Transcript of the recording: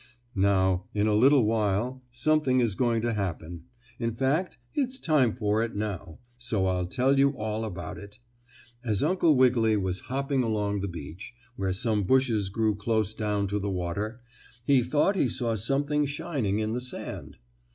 Now, in a little while, something is going to happen. In fact it's time for it now, so I'll tell you all about it. As Uncle Wiggily was hopping along the beach, where some bushes grew close down to the water, he thought he saw something shining in the sand.